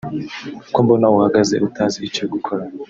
"Ko mbona uhagaze utazi icyo gukora